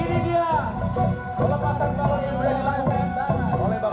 iya makasih mak